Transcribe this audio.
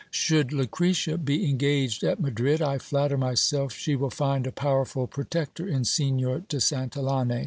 Should Lucretia be engaged at Madrid, I flatter myself she will find a powerful protector in Signor de Santillane.